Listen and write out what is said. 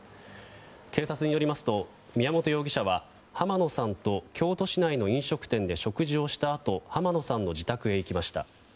警察によりますと宮本容疑者は浜野さんと京都市内の飲食店で食事をしたあと浜野さんの自宅へ行きました。